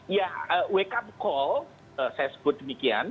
ya wake up call saya sebut demikian